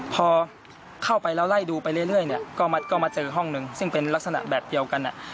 พอเข้าไปแล้วไล่ดูไปเรื่อยเนี่ยก็มาเจอห้องหนึ่งซึ่งเป็นลักษณะแบบเดียวกัน